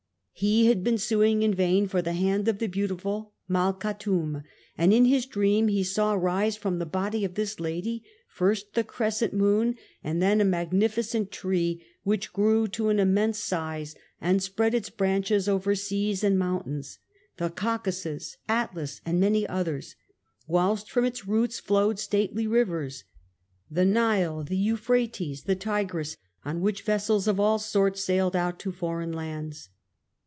He had been suing in vain for the hand of the beautiful Malkhatoum, and in his dream he saw rise from the body of this lady, first, the crescent moon, and then a magnificent tree, which grew to an immense size and spread its branches over seas and mountains, the Caucasus, Atlas and many others ; whilst from its roots flowed stately rivers, the Nile, the Euphrates, the Tigris, on which vessels of all sorts sailed out to foreign lands.